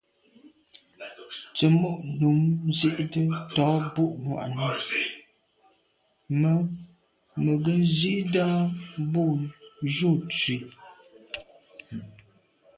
Tsə̀mô' nǔm zí'də́ tɔ̌ bû'ŋwànì mə̀ mə̀ ŋgə́ zí'də́ á bû jû tswì.